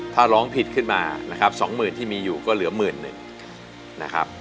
ถ้าร้องผิดขึ้นมานะครับสองหมื่นที่มีอยู่ก็เหลือหมื่นหนึ่งนะครับ